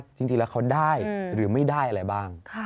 จะได้หรือไม่ได้อะไรบ้าง